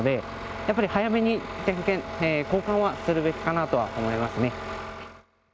やっぱり早めに点検、交換はするべきかなとは思いますね。